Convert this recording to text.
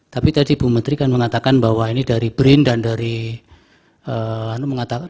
tapi tadi bu menteri kan mengatakan bahwa ini dari brin dan dari mengatakan